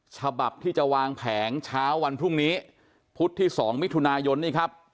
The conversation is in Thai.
ฉบับที่จะวางแผงเช้าวันพรุ่งนี้พุธที่๒มิถุนายนนี่ครับ